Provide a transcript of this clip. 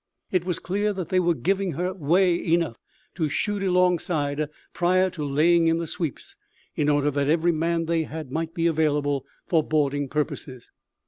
It was clear that they were giving her "way" enough to shoot alongside, prior to laying in the sweeps, in order that every man they had might be available for boarding purposes.